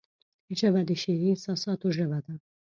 ژبه د شعري احساساتو ژبه ده